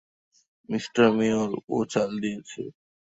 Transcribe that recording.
Mister mayor, ও চাল দিয়েছে।